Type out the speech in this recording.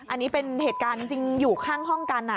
อันนี้เป็นเหตุการณ์จริงอยู่ข้างห้องกัน